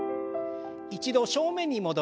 一度正面に戻して。